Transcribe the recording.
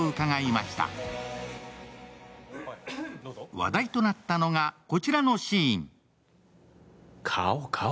話題となったのが、こちらのシーン。